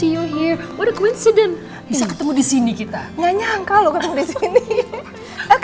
yaudah ketemu disana ya pak